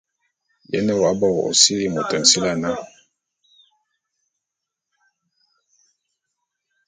Ye nne w'abo ô sili'i môt minsili ana?